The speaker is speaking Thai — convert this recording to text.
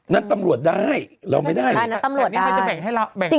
น่ะตำรวจได้เราไม่ได้